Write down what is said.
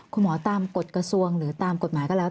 ตามกฎกระทรวงหรือตามกฎหมายก็แล้ว